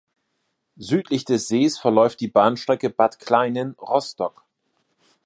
Südlich des Sees verläuft die Bahnstrecke Bad Kleinen–Rostock.